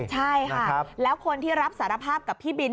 ใช่ค่ะแล้วคนที่รับสารภาพกับพี่บิน